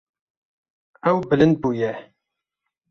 Ew bilind bûye.